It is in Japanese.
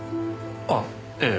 あっええ。